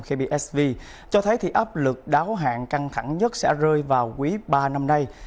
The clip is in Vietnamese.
kbsv cho thấy áp lực đáo hạn căng thẳng nhất sẽ rơi vào quý ba năm nay